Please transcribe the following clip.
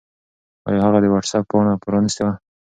آیا هغه د وټس-اپ پاڼه پرانستې وه؟